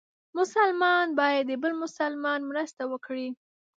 مسلمان باید د بل مسلمان مرسته وکړي.